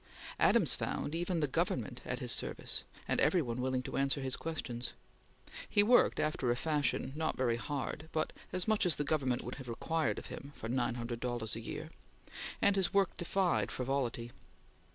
Adams found even the Government at his service, and every one willing to answer his questions. He worked, after a fashion; not very hard, but as much as the Government would have required of him for nine hundred dollars a year; and his work defied frivolity.